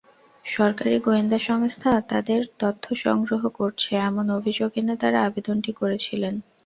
সরকারি গোয়েন্দা সংস্থা তাঁদের তথ্য সংগ্রহ করছে—এমন অভিযোগ এনে তাঁরা আবেদনটি করেছিলেন।